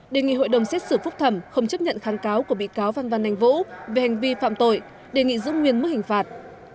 đề nghị hội đồng xét xử phúc thẩm không chấp nhận kháng cáo của bị cáo phan văn anh vũ về hành vi phạm tội đề nghị giữ nguyên mức hình phạt